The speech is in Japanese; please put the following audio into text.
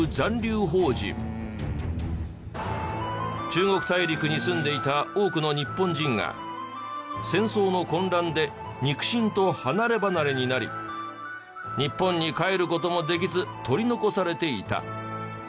中国大陸に住んでいた多くの日本人が戦争の混乱で肉親と離ればなれになり日本に帰る事もできず取り残されていた。